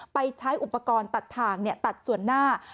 ใช้อุปกรณ์ตัดทางตัดส่วนหน้า